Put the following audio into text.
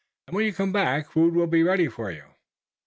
"And when you come back food will be ready for you."